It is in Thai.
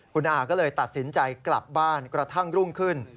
คุณอาก็เลยตัดสินใจกลับบ้านกระทั่งรุ่งขึ้น